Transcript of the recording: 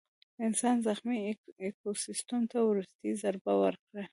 انسان زخمي ایکوسیستم ته وروستۍ ضربه ورکړه.